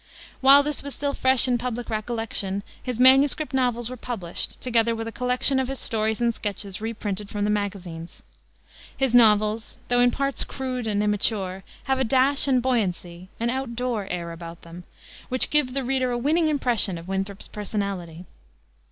While this was still fresh in public recollection his manuscript novels were published, together with a collection of his stories and sketches reprinted from the magazines. His novels, though in parts crude and immature, have a dash and buoyancy an out door air about them which give the reader a winning impression of Winthrop's personality.